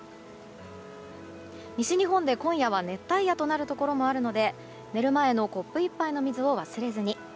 西日本で今夜は熱帯夜となるところもあるので寝る前のコップ１杯の水を忘れずに。